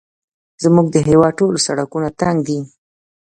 زموږ د هېواد ټوله سړکونه تنګ دي